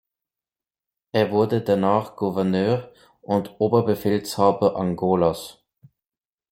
Er wurde danach Gouverneur und Oberbefehlshaber Angolas.